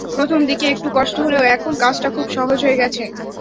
প্রথম দিকে একটু কষ্ট হলেও এখন কাজটা খুব সহজ হয়ে গেছে।